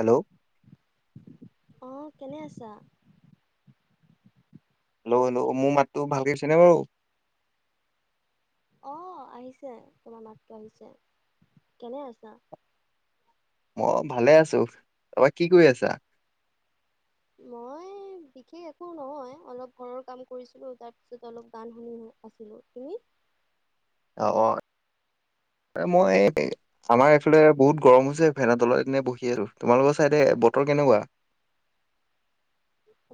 Hello অ কেনে আছা হেল্ল হেল্ল মোৰ মাতটো ভালকে গৈছে নে বাৰু অ আহিছে তোমাৰ মাতটো আহিছে কেনে আছা মই ভালে আছো তই কি কৰি আছা মই বিশেষ একো নহয় অলপ ঘৰৰ কাম কৰিছিলো তাৰ পিছত অলপ গান শুনি আছিলো তুমি অ অ' মই এই আমাৰ এইফালে বহুত গৰম হৈছে ফেনৰ তলত এনে বহি আছো তোমালোকৰ চাইদে বতৰ কেনেকুৱা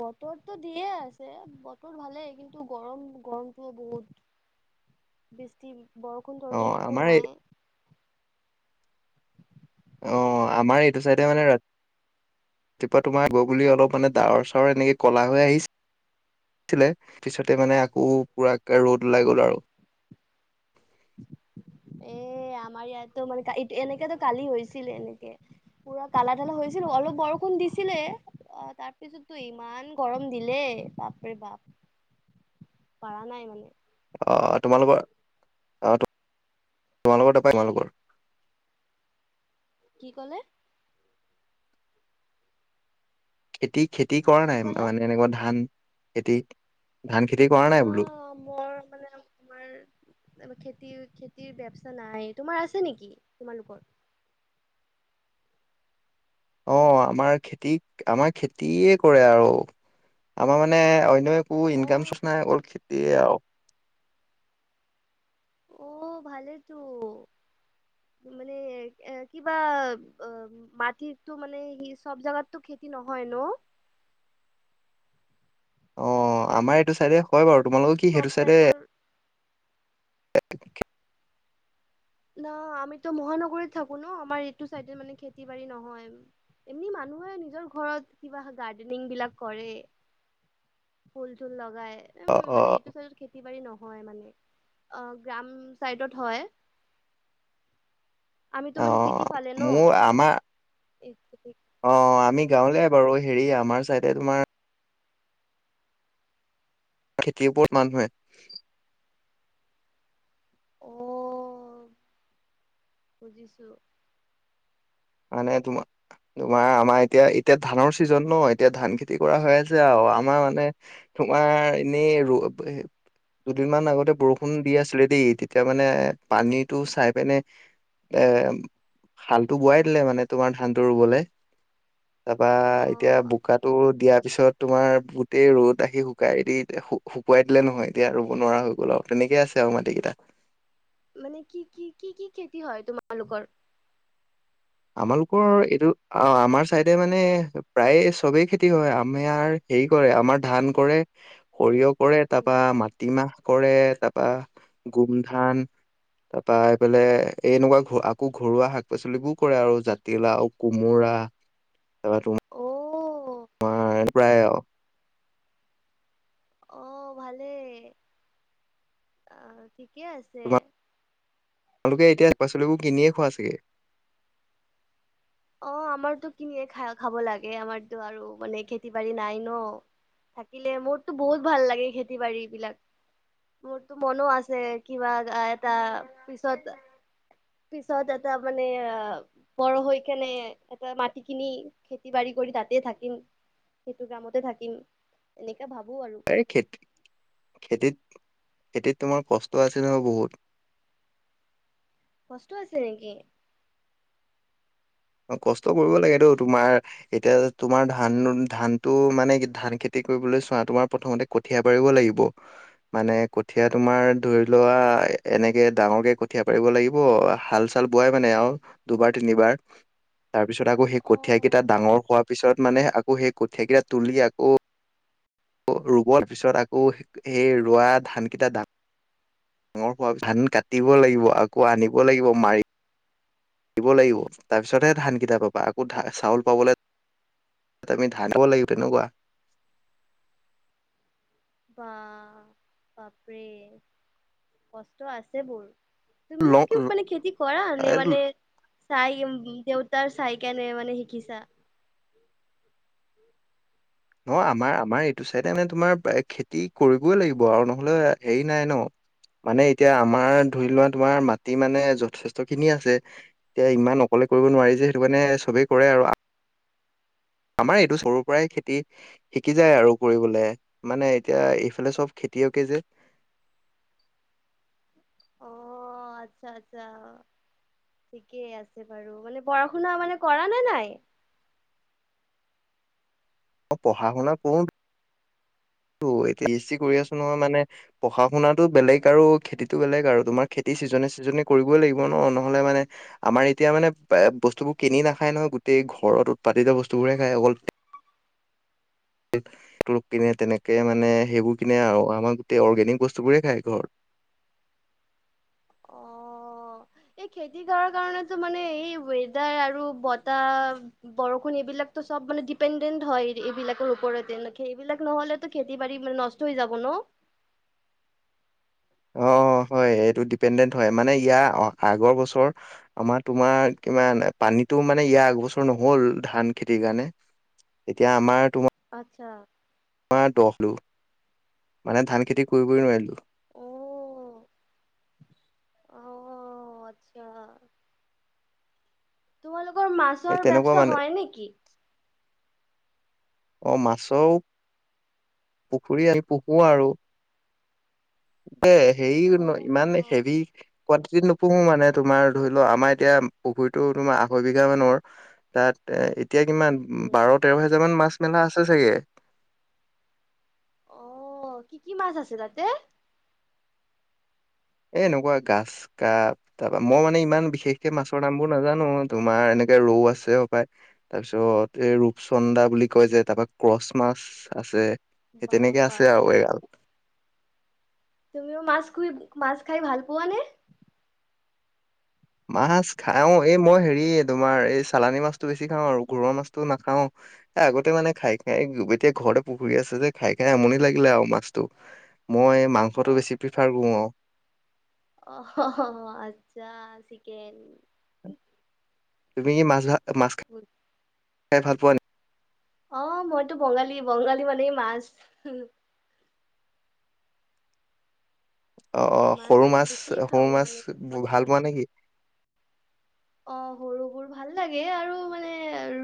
বতৰটো দিয়ে আছে বতৰ ভালেই কিন্তু গৰম-গৰমটোও বহুত। [inaudible] বৃষ্টি, বৰষুণ অ চৰষুণ একো আমাৰ এই নাই অ আমাৰ এইটো চাইডে মানে ৰা ৰাতিপুৱা তোমাৰ আহিব বুলি অলপ মানে ডাৱৰ চাৱৰ এনেকে কলা হৈ আহি ছিলে পিছতে মানে আকৌ পুৰাকে ৰ'দ ওলাই গ'ল আৰু। এ আমাৰ ইয়াতো মানে এ এনেকাতো কালি হৈছিলে এনেকে পুৰা কালা ধালা হৈছিল বাৰু অলপ বৰষুণ দিছিলে অ' তাৰ পিছত তো ইমান গৰম দিলে বাপৰে-বাপ পাৰা নাই মানে। অ তোমালোকৰ অ তোমালোকৰ তাপা তোমালোকৰ কি কলে খেতি-খেতি কৰা কি নাই ক'লা মানে এনেকুৱা ধান খেতি ধান খেতি কৰা নাই না বোলো মোৰ মানে তোমাৰ খেতি-খেতিৰ বেবচা নাই তোমাৰ আছে নেকি তোমালোকৰ অ আমাৰ খেতি আমাৰ খেতিয়ে কৰে আৰু আমাৰ মানে অন্য এক একো ইনকাম অ', চৰ্চ নাই অকল খেতিয়ে আৰু অ ভালেইতো মানে এ কিবা অ মাটিতো মানে সি চব জাগাততো খেতি নহয় ন অ আমাৰ এইটো চাইডে হয় চব বাৰু তোমালোকৰ কি চব সেইটো চাইডে টাইপৰ [inaudible] না আমিতো মহানগৰীত থাকো ন আমাৰ এইটো চাইডে মানে খেতি-বাৰী নহয়। এনে মানুহে নিজৰ ঘৰত কিবা গাৰ্ডেনিং বিলাক কৰে ফুল-চুল লগায় এম অ', মানে অ', এইটো চাইডত খেতি বাৰী নহয় মানে, অ' গ্ৰাম চাইডত হয়। আমিতো মানে চিটি অ', ফালে ন মোৰ আমাৰ স্কুটি অ', আমি গাৱলিয়াই বাৰু, হেৰি আমাৰ চাইডে তোমাৰ খেতিৰ ওপৰত মানুহে অ', বুজিছো মানে তোমা তোমাৰ আমাৰ এতিয়া এতিয়া ধানৰ ছিজন ন এতিয়া ধান খেতি কৰা হৈ আছে আউ আমাৰ মানে তোমাৰ এনেই ৰো প হে দুদিনমান আগতে বৰষুণ দি আছিলে দেই তেতিয়া মানে পানীটো চাই পিনে এ হাল টো বোৱাই দিলে মানে তোমাৰ ধানটো ৰুবলে তাৰপা এতিয়া অ' বোকাত টো দিয়াৰ পিছত তোমাৰ গোটেই ৰ'দ আহি শুকাই দি হু শুকুৱাই দিলে নহয় এতিয়া ৰুব নোৱাৰা হৈ গ'ল আউ তেনেকে আছে আউ মাটিকেইটা মানে কি কি কি কি খেতি হয় তোমালোকৰ আমালোকৰ এইটো অ আমাৰ চাইডে মানে প্ৰায়ে চবেই খেতি হয় আমেয়াৰ হেৰি কৰে আমাৰ ধান কৰে সৰিয়হ কৰে তাৰপা মাট তিমাহ কৰে তাৰপা গোমধান তাৰপা এইফালে এনেকুৱা ঘ আকৌ ঘৰুৱা শাক পাচলিবো কৰে আৰু জাতিলাও কোমোৰা তাৰপা টোম অ তোমাৰ প্ৰায় আউ অ', ভালেই, আহ, ঠিকে আছে তোমালোকে এতিয়া পাচলিবোৰ কিনিয়ে খোৱা চাগে? অ' আমাৰতো কিনিয়ে খাই-খাব লাগে, আমাৰতো আৰু মানে খেতি বাৰী নাই ন থাকিলে মোৰতো বহুত ভাল লাগে খেতি বাৰী বিলাক মোৰতো মনো আছে কিবা আ এটা পিছত পিছত এটা মানে অ বৰ হৈ কেনে এটা মাটি কিনি খেতি বাৰি কৰি তাতেই থাকিম সেইটো কামতে থাকিম এনেকে ভাবো আৰু খেত খেতিত খেতিত তোমাৰ কষ্ট আছে ন বহুত কষ্ট আছে নেকি অ কষ্ট কৰিব লাগেটো তোমাৰ এতিয়া তোমাৰ ধান ধানটো মানে ধান খেতি কৰিবলৈ চোৱা তোমাৰ প্ৰথমতে কঠিয়া পাৰিব লাগিব মানে কঠিয়া তোমাৰ ধৰি লোৱা এ এনেকে ডাঙৰকে কঠিয়া পাৰিব লাগিব হাল দাল বোৱাই মানে আউ দুবাৰ তিনিবাৰ তাৰ পিছত আকৌ সেই কঠীয়াকেইটা ডাঙৰ হোৱাৰ পিছত মানে আকৌ সেই কঠীয়াকেইটা তুলি আকৌ অ ৰুবৰ পিছত আকৌ সেই ৰোৱা ধান কেইটা দাম ঙৰ হোৱাৰি ধান কাটিব লাগিব আকৌ আনিব লাগিব মাৰি দিব লাগিব তাৰপিছতহে ধানকেইটা পাবা আকৌ ধা চাউল পাবলে ত তমিধাও লৈবনেুৱোৱা [unintelligible] বা বাপৰে কষ্ট আছে বোৰ ল তুমিও কি মানে খেতি কৰা নে মানে চাই কেম উম দেউতাৰ চাই কে নে মানে শিকিছা ন আমাৰ আমাৰ এইটো চাইডে মানে তোমাৰ খেতি কৰিবই লাগিব আৰু নহলে হেৰি নাই ন মানে এতিয়া আমাৰ ধৰি লোৱা তোমাৰ মাটি মানে যথেষ্ট খিনি আছে। এতিয়া ইমান অকলে কৰিব নোৱাৰি যে সেইটো কাৰণে চবেই কৰে আৰু। আমাৰ এইটো সৰুৰ পৰাই খেতি শিকি যায় আৰু কৰিবলে, মানে এতিয়া এইফালে চব খেতিয়কে যে। অ', আচ্ছা আচ্ছা। ঠিকেই আছে বাৰু, মানে পঢ়া শুনা মানে কৰা নে নাই? অ', পঢ় শুনা কৰো [unintelligible] এতিয়া বি এছ চি কৰি আছো নহয় মানে পঢ়া শুনাতো বেলেগ আৰু খেতিটো বেলেগ আৰু তোমাৰ খেতি চিজনে চিজনে কৰিবই লাগিব ন নহলে মানে আমাৰ এতিয়া মানে এ বস্তুবোৰ কিনি নাখায় নহয়, গোটেই ঘৰত উৎপাদিত বস্তুবোৰে খাই অকল [unintelligible] তেনে [unintelligible] মানে সেইবোৰ কিনে আৰু আমাৰ গোটেই অৰ্গেনিক বস্তুবোৰে খাই ঘৰত। অ'। এই খেতি কৰাৰ কাৰণেতো মানে এই ৱেডাৰ আৰু বতাহ বৰষুণ এইবিলাকতো চব মানে ডিপেণ্ডেণ্ট হয় এইবিলাকৰ ওপৰতে, এইবিলাক নহ'লেতো খেতি বাাৰী মানে নষ্ট হৈ যাব ন? অ', হয় এইটো ডিপেণ্ডেণ্ট হয়, মানে ইয়াৰ আগৰ বছৰ আমাৰ তোমাৰ কিমান পানীতো মানে ইয়াৰ আগবছৰ নহল ধান খেতিৰ কাৰণে। এতিয়া আমাৰ তোমাৰ আচ্ছা। [unintelligible] মানে ধান খেতি কৰিবই নোৱাৰিলো। অ', অ', আচ্ছা। তোমালোকৰ মাছ এই তেনেকুৱা মানে। অ', মাছও পুখুৰী আমি পুহো আৰু। [unintelligible] হেৰি ন অ' ইমান হেভি অ' [unintelligible] নুপুহো মানে তোমাৰ ধৰি লও আমাৰ এতিয়া পুখুৰীটো তোমাৰ আঢ়ৈ বিঘা মানৰ তাত এ-এতিয়া কিমান বাৰ, তেৰ হেজাৰ মান মাছ মেলা আছে চাগে। অ', কি কি মাছ আছে তাতে? এ এনেকুৱা গাছ কাপ তাৰপৰা মই মানে ইমান বিশেষকে মাছৰ নামবোৰ নাজানো, তোমাৰ এনেকে ৰৌ আছে হপায়। তাৰপিছত এই ৰূপচন্দা বুলি কয় যে, তাৰপা ক্ৰচ মাছ আছে। সেই তেনেকে বাবা আছে আৰু এগাল। তুমিও মাছ খুই, মাছ খাই ভাল পোৱা নে? মাছ খাও, এই মই হেৰি তোমাৰ এই চালানী মাছটো বেছি খাওঁ আৰু ঘৰুৱা মাছটো নাখাও। এ আগতে মানে খাই খাই এতিয়া ঘৰতে পুখুৰী আছে যে খাই খাই আমনি লাগিলে আৰু মাছটো। মই মাংসটো অ' বেছি প্ৰিফাৰ কৰো আৰু। অ', আচ্ছা চিকেন। তুমি কি মাছ-মাছ [unintelligible] খাই ভাল পোৱা অ', মইতো বঙালী, বঙালী মানেই মাছ। অ', অ', সৰু আমি মাছ, বেছিয়ে সৰু খাওঁ মাছ মানে সদায় ভাল পোৱা নেকি? অ', সৰুবোৰ ভাল লাগে আৰু মানে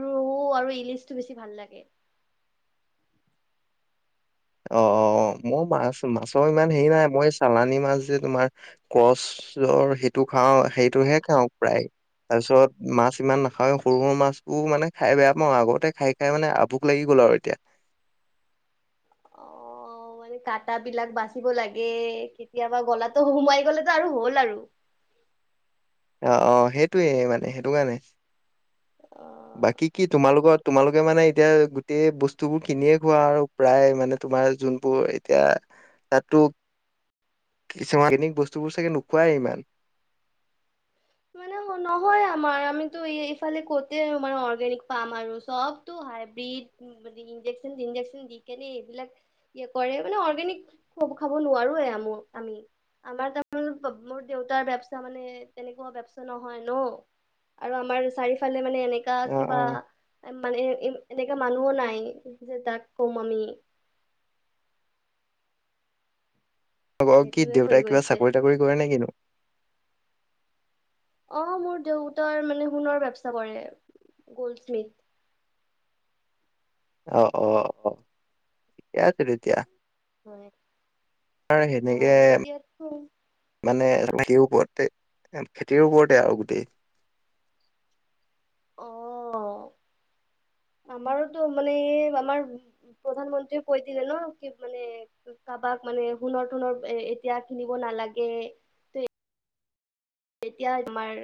ৰৌ আৰু ইলিচটো বেছি ভাল লাগে। অ', অ', মই মাছ-মাছৰ ইমান হেৰি নাই মই চালানী মাছ যে তোমাৰ কছৰ সেইটো খাওঁ, সেইটোহে খাওঁ প্ৰায়। তাৰ পিছত মাছ ইমান নাখাওঁ, সৰু-সৰু মাছো মানে খাই বেয়া পাওঁ, আগতে খাই খাই মানে আভুক লাগি গ'ল আৰু এতিয়া। [unintelligible] অঁ' মানে কাটা বিলাক বাচিব লাগে, কেতিয়াবা গলাতো সোমাই গ'লেতো আৰু হ'ল আৰু। অঁ অঁ' সেইটোয়ে মানে সেইটো কাৰণে। অ বাকী কি তোমাৰ লোকত তোমালোকে মানে এতিয়া গোটেই বস্তুবোৰ কিনিয়ে খোৱা আৰু প্ৰায় মানে তোমাৰ যোনবোৰ এতিয়া তাতো কিছুমান [unintelligible] বস্তুবোৰ চাগে নোখোৱাই ইমান। মানে নহয় আমাৰ আমিতো ইফালে ক'তে মানে অৰ্গেনিক পাম আৰু চ'ব। টো হাইব্ৰীড, মানে ইঞ্জেকচন চিঞ্জেকচন দি কেনে এইবিলাক সেই কৰে মানে অৰ্গেনিক খ-খাব নোৱাৰোৱে আম, আমি। আমাৰ তাৰমানে মোৰ দেউতাৰ ব্যৱচা মানে তেনে কোৱা বেবচাহ নহয় ন' আৰু আমাৰ চাৰিওফালে মানে এনেকা অ অ কিবা মানে এনেকা মানুহো নাই যে তাক কম আমি- কি সেইটোয়ে হৈ দেউতাই কিবা গৈছে চাকৰি তাকৰি কৰে নে কিনো? অঁ' মোৰ দেউতাৰ মানে সোণৰ ব্যৱচা কৰে গল্ড স্মিথ। অহ'-অহ'-অহ' ঠিকে আছে তেতিয়া। হয়। আমাৰ সেনেকে হয় এতিয়া মানে খেতিৰ ওপৰতে, খেতিৰ ওপৰতে আৰু গোটেই। অঁ' আমাৰোতো মানে এই আমাৰ প্ৰধানমন্ত্ৰীয়ে কৈ দিলে ন' কি মানে কাৰোবাক মানে সোণৰ-তোণৰ এ-এতিয়া কিনিব নালাগে। এতিয়া আমাৰ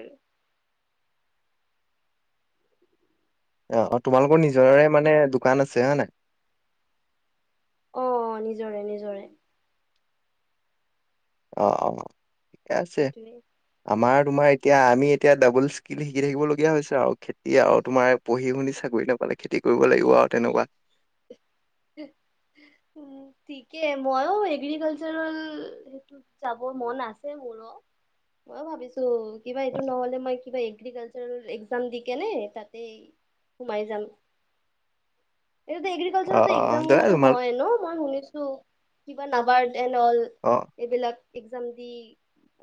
অঁ' অঁ' তোমালোকৰ নিজৰে মানে দোকান আছে, হয় নাই? অ', অ', নিজৰে নিজৰে। অঁ' অঁ' ঠিকে আছে। সেইটোৱে আমাৰ তোমাৰ এতিয়া আমি এতিয়া ডাবল স্কিল শিকি থাকিবলগীয়া হৈছে আৰু খেতি আৰু তোমাৰ পঢ়ি শুনি চাকৰি নাপালে খেতি কৰিব লাগিব আৰু তেনেকুৱা। উমঁ' ঠিকে, মইও এগ্ৰিকালচাৰেল সেইটো যাব মন আছে মোৰো, মই ভাবিছো কিবা এইটো নহ'লে মই কিবা এগ্ৰিকালচাৰ এক্সাম দি কেনে তাতে সোমাই যাম। [unintelligible] অ আচলতে অ এক্সাম দয়া মানে তোমাৰ হয় ন' মই শুনিছো কিবা নাবাৰ্ত এণ্ড অল অঁ। এইবিলাক এক্সাম দি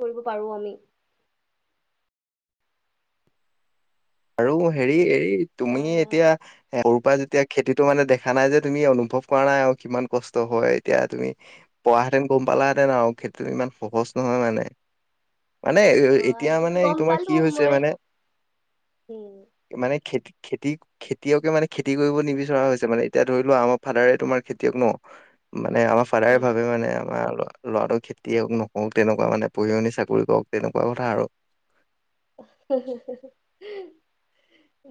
কৰিব পাৰো আমি। আৰু হেৰি এই তুমি হয় হয় এতিয়া সৰুৰ পৰা যেতিয়া খেতিতো মানে দেখা নাই যে তুমি অনুভৱ কৰা নাই আৰু কিমান কষ্ট হয়, এতিয়া তুমি পৰা হেঁতেন গম পালাহেঁতেন আৰু খেতিটো ইমান সহজ নহয় মানে। মানে অ এতিয়া এইটোতো মানে গম তোমাৰ পালো কি হৈছে মই মানে উম'। মানে খেত-খেতি খেতিয়কে মানে খেতি কৰিব নিবিচৰা হৈছে মানে এতিয়া ধৰি লোৱা আমাৰ ফাদাৰে তোমাৰ খেতিয়ক ন'। মানে আমাৰ ফাদাৰে উম ভাবে মানে আমাৰ ল'ৰা ল'ৰাটো খেতিয়ক নকওঁক, তেনেকুৱা মানে পঢ়ি শুনি চাকৰি কৰক তেনেকুৱা কথা আৰু।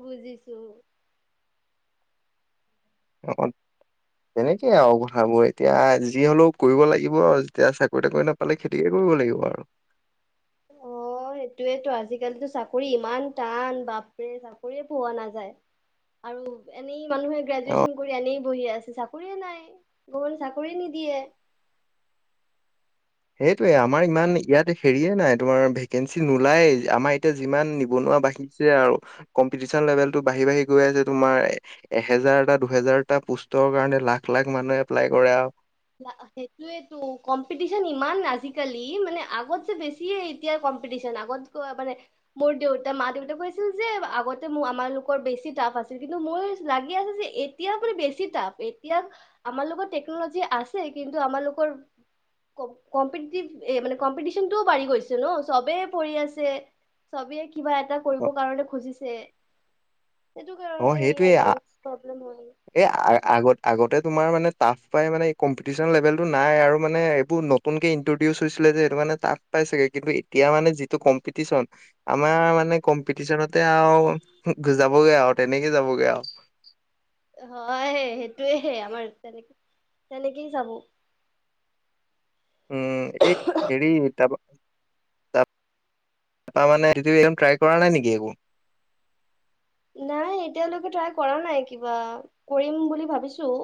বুজিছোঁ। অ' তেনেকেই আৰু কথাবোৰ। এতিয়া যি হ'লেও কৰিব লাগিব, যেতিয়া চাকৰি তাকৰি না পালে খেতিকে কৰিব লাগিব আৰু। [inaudible] অ' সেইটোৱেতো, আজিকালিতো চাকৰি ইমান টান, বাপৰে চাকৰিয়ে পোৱা নাযায়। আৰু এনেই মানুহে অ গ্ৰেজুৱেচন কৰি এনেই বহি আছে চাক কৰিয়ে নাই, গভমেণ্ট চাকৰিয়ে নিদিয়ে। সেইটোয়ে আমাৰ ইমান ইয়াত হেৰিয়ে নাই, তোমাৰ ভেকেঞ্চি নোলাইয়ে, আমাৰ এতিয়া যিমান নিবনুৱা বাসি চে আৰু, কম্পিটিশন লেভেলটো বাঢ়ি বাঢ়ি গৈ আছে তোমাৰ, এ এহেজাৰটা, দুহেজাৰটা পোষ্টৰ কাৰণে লাখ লাখ মানুহে এপ্লাই কৰে আৰু। সেইটোৱেটো কম্পিটিচন ইমান আজিকালি, মানে আগতচে বেছি। টিয়ে এতিয়া কম্পিটিশ্যন, আগতকৈ আ, মানে মোৰ দেউতা, মা দেউতা কৈছিল যে আগতে মোৰ আমালোকৰ বেছি টাফ আছিল কিন্তু মোৰ লাগি আছে যে এত এতিয়া মানে বেছি টাফ, এতিয়া আমাৰ লগত টেকন'লজি আছে কিন্তু আমালোকৰ কম-কম্পিতিতিভ এ, মানে কম্পিটিচনটোও বাঢ়ি গৈছে ন' চবেই পঢ়ি আছে। চবে কিবা এটা অ কৰিব কাৰণে খুজিছে। সেইটো কাৰণেই আৰু প্ৰব্লেম হয়। এ, আ-আগত-আগতে তোমাৰ মানে টাফ পাই মানে কম্পিটিশন লেভেলটো নাই আৰু মানে এইবোৰ নত নতুনকে ইনট্ৰডিউচ হৈছিলে যে এইটো কাৰণে মানে টাফ পাই চাগে, কিন্তু এতিয়া মানে যিটো কম্পিটিচন আমাৰ মানে কম্পিটিচনতে আৰু যাবগৈ আৰু তেনেকে যাবগে আৰু। হয় সেইটোয়ে, আমাৰ তেনেক-তেনেকেই যাব। উম, এই হেৰি তা-তাত তাৰমানে [unintelligible] ট্ৰাই কৰা নাই নেকি একো? নাই এতিয়ালৈকে ট্ৰাই কৰা নাই কিবা, কৰিম বুলি ভাবিছোঁ।